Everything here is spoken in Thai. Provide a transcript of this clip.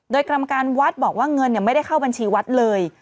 โดยกรรมการวัดบอกว่าเงินไม่ได้เข้าบัญชีวัดเลย